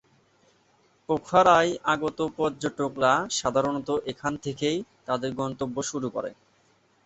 পোখারায় আগত পর্যটকরা সাধারণত এখান থেকেই তাদের গন্তব্য শুরু করে।